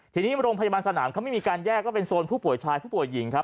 ทีนี้โรงพยาบาลสนามเขาไม่มีการแยกว่าเป็นโซนผู้ป่วยชายผู้ป่วยหญิงครับ